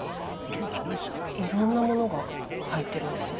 いろんなものが入ってるんですね。